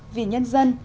vì nhân dân